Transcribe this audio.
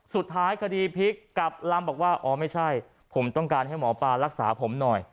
สุดท้ายคดีพลิกกับลำบอกว่าอ๋อไม่ใช่ผมต้องการให้หมอปลารักษาผมหน่อย